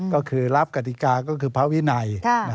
ก็คือรับกฎิกาก็คือพระวินัย